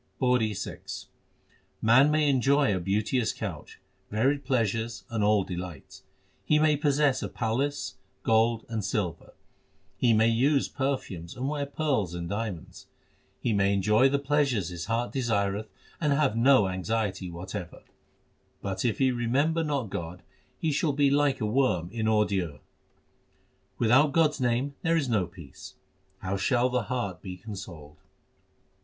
PAURI VI Man may enjoy a beauteous couch, varied pleasures, and all delights ; He may possess a palace, gold, and silver ; he may use perfumes and wear pearls and diamonds ; He may enjoy the pleasures his heart desireth and have no anxiety whatever ; But if he remember not God, he shall be like a worm in ordure. Without God s name there is no peace, how shall the heart be consoled